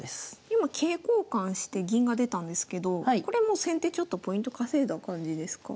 今桂交換して銀が出たんですけどこれもう先手ちょっとポイント稼いだ感じですか？